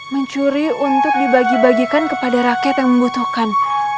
mencuri untuk dibagi bagikan kepada rakyat yang membutuhkan